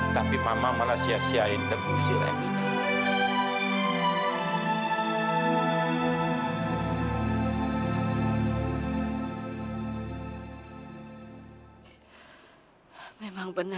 tapi mama malah sia siain teguh sir evita